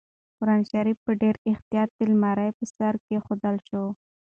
قرانشریف په ډېر احتیاط د المارۍ په سر کېښودل شو.